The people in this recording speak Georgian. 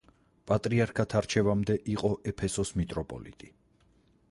პატრიარქად არჩევამდე იყო ეფესოს მიტროპოლიტი.